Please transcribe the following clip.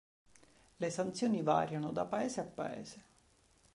Le sanzioni variano da paese a paese.